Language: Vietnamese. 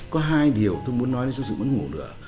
có hai điều tôi muốn nói đến sự mất ngủ lửa